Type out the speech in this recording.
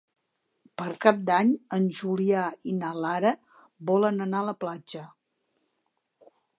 Per Cap d'Any en Julià i na Lara volen anar a la platja.